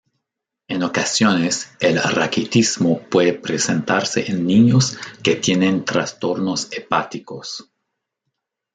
En ocasiones, el raquitismo puede presentarse en niños que tienen trastornos hepáticos.